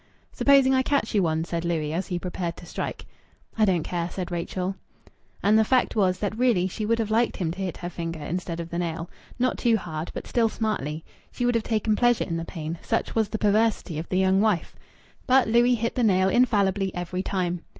"Supposing I catch you one?" said Louis, as he prepared to strike. "I don't care," said Rachel. And the fact was that really she would have liked him to hit her finger instead of the nail not too hard, but still smartly. She would have taken pleasure in the pain: such was the perversity of the young wife. But Louis hit the nail infallibly every time.